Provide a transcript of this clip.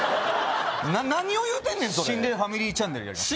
何を言うてんねんそれ心霊ファミリーチャンネルやります